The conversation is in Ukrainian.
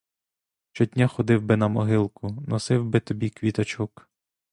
Щодня ходив би на могилку, носив би тобі квіточок.